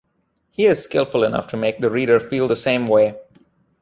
He is skillful enough to make the reader feel the same way.